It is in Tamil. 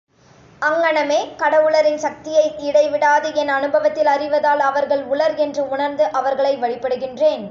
அங்ஙனமே கடவுளரின் சக்தியை இடைவிடாது என் அநுபவத்தில் அறிவதால் அவர்கள் உளர் என்று உணர்ந்து அவர்களை வழிபடுகின்றேன்.